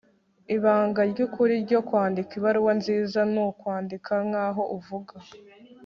ibanga ryukuri ryo kwandika ibaruwa nziza nukwandika nkaho uvuga